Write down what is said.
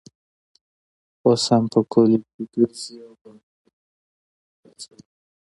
اوس هم په کلیو ګرزي او بنګړي خرڅوي.